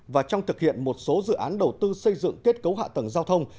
và trong thực hiện một số dự án đầu tư xây dựng kết cấu hạ tầng giao thông